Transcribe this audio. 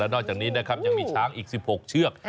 นอกจากนี้นะครับยังมีช้างอีก๑๖เชือก